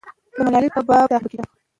د ملالۍ په باب تحقیق به کېده.